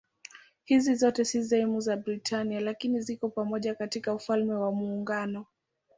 Hizi zote si sehemu ya Britania lakini ziko pamoja katika Ufalme wa Muungano.